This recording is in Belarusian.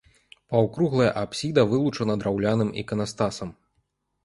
Паўкруглая апсіда вылучана драўляным іканастасам.